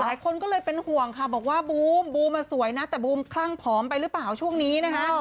หลายคนก็เลยเป็นห่วงค่ะบอกว่าบูมบูมสวยนะแต่บูมคลั่งผอมไปหรือเปล่าช่วงนี้นะคะ